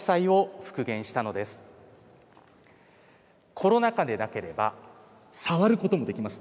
コロナ禍でなければ触ることもできます。